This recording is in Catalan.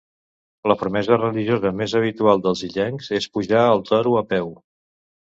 La promesa religiosa més habitual dels illencs és pujar el Toro a peu.